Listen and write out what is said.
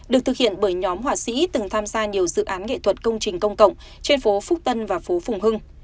được thực hiện bởi nhóm họa sĩ từng tham gia nhiều dự án nghệ thuật công trình công cộng trên phố phúc tân và phú phùng hưng